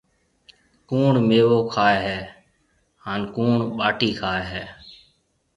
ڪوُڻ ميوو کائي هيَ هانَ ڪوُڻ ٻاٽِي کائي هيَ؟